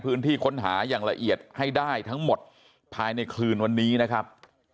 พื้นที่ค้นหาอย่างละเอียดให้ได้ทั้งหมดภายในคืนวันนี้นะครับ